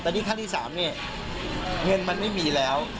แต่นี่ขั้นที่๓เนี่ยเงินมันไม่มีแล้ว